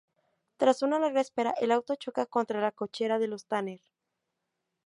Tras una larga espera el auto choca contra la cochera de los Tanner.